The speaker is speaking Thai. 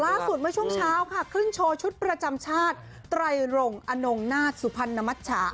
เมื่อช่วงเช้าค่ะขึ้นโชว์ชุดประจำชาติไตรรงอนงนาฏสุพรรณมัชชา